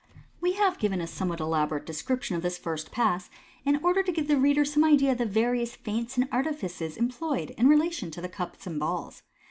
We have given a somewhat elaborate description of this first Pass, in oider to give the reader some idea of the various feints and artifices employed in relation to the cups and balls.